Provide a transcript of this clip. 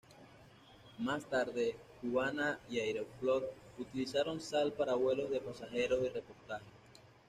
Más tarde, Cubana y Aeroflot utilizaron Sal para vuelos de pasajeros y repostaje.